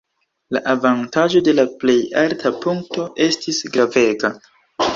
La avantaĝo de la plej alta punkto estis gravega.